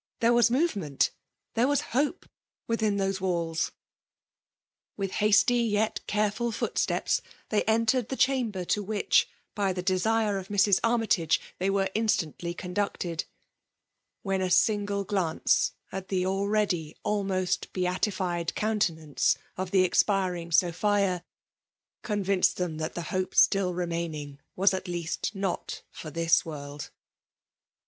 There was movement — ^there was hope within those walls ! With hasty yet careful footsteps, they en tered the chamber to which, by the desire of Mrs. Armytage, they were instantly con m ducted ; when a single glance at the already almost beatified countenance of the expiring Sophia, convinced them that the hope still remaining was at least not for this world.